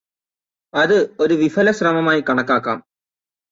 അത് ഒരു വിഫലശ്രമമായി കണക്കാക്കാം